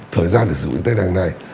thời gian để dùng internet này